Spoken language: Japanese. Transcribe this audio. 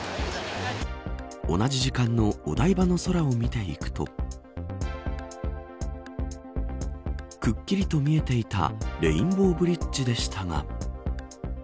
同じ時間のお台場の空を見ていくとくっきりと見えていたレインボーブリッジでしたが。